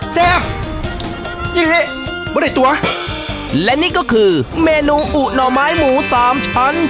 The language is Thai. เสียบนี่นี่บ้าได้ตัวและนี่ก็คือเมนูอุ่นอ่อไม้หมูสามชั้น